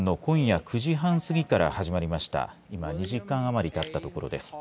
今２時間余りたったところです。